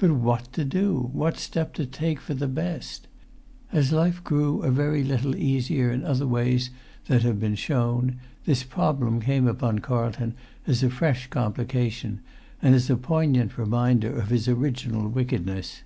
But what to do, what step to take, for the best! As life grew a very little easier in other ways that have been shown, this problem came upon Carlton as a fresh complication, and as a poignant reminder of his original wickedness.